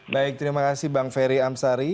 baik terima kasih bang ferry amsari